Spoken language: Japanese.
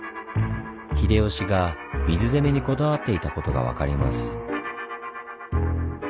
秀吉が水攻めにこだわっていたことが分かります。